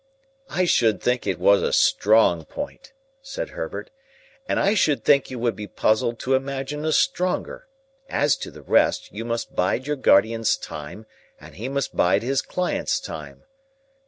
"I should think it was a strong point," said Herbert, "and I should think you would be puzzled to imagine a stronger; as to the rest, you must bide your guardian's time, and he must bide his client's time.